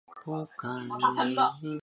北宋改名为左右司谏。